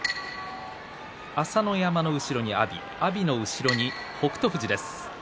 朝乃山の後ろに阿炎その後ろに北勝富士です。